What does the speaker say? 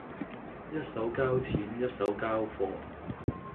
一手交錢一手交貨